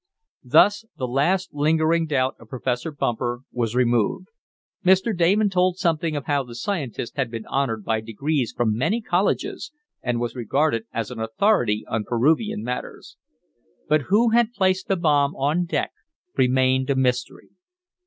Thus the last lingering doubt of Professor Bumper was removed. Mr. Damon told something of how the scientist had been honored by degrees from many colleges and was regarded as an authority on Peruvian matters. But who had placed the bomb on deck remained a mystery.